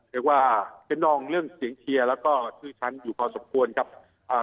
เรียกว่าเป็นนองเรื่องเสียงเชียร์แล้วก็ชื่อชั้นอยู่พอสมควรครับอ่า